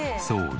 そう。